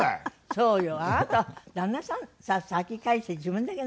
そうよ。